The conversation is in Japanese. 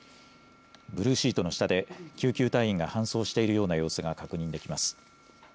ブルーシートの下で救急隊員が搬送しているような様子が確認できます。